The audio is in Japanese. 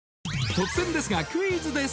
突然ですがクイズです